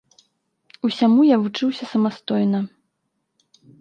Усяму я вучыўся самастойна.